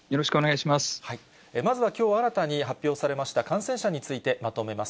まずはきょう新たに発表されました感染者についてまとめます。